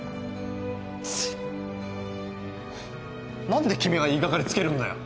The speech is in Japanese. なんで君が言い掛かりつけるんだよ！？